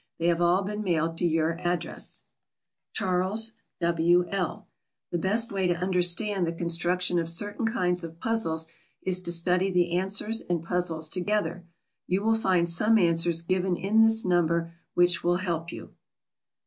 They have all been mailed to your address. CHARLES W. L. The best way to understand the construction of certain kinds of puzzles is to study the answers and puzzles together. You will find some answers given in this number which will help you.